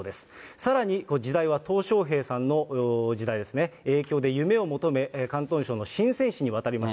さらに時代はトウ小平さんの時代ですね、影響で夢を求め、広東省の深セン市に渡ります。